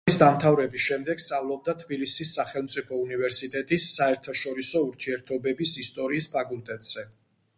სკოლის დამთავრების შემდეგ სწავლობდა თბილისის სახელმწიფო უნივერსიტეტის საერთაშორისო ურთიერთობების ისტორიის ფაკულტეტზე.